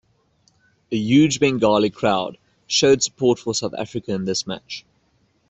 A huge Bengali crowd showed support for South Africa in this match.